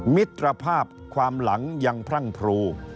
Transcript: มิตรภาพความหลังยังพรั่งพรู